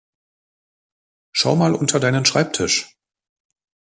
Schau mal unter deinen Schreibtisch.